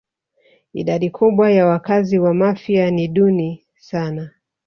Idadi kubwa ya wakazi wa Mafia ni duni sana